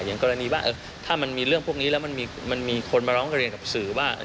อย่างกรณีว่าถ้ามันมีเรื่องพวกนี้แล้วมันมีคนมาร้องเรียนกับสื่อว่า